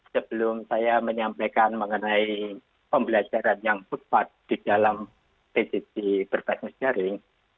sebelum saya menyampaikan mengenai pembelajaran yang futbat di dalam tcc berbasis daring